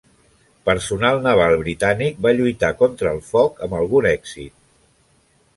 Personal naval britànic va lluitar contra el foc amb algun èxit.